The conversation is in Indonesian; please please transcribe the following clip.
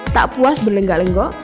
tak puas berlenggak lenggok